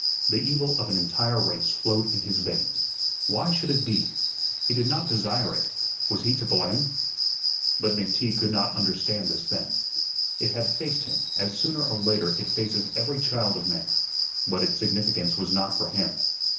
The evil of an entire race flowed in his veins. Why should it be? He did not desire it. Was he to blame? But McTeague could not understand this thing. It had faced him, as sooner or later it faces every child of man; but its significance was not for him.